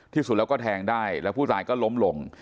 ที่สุดแล้วก็แทงได้แล้วผู้ตายก็ล้มลง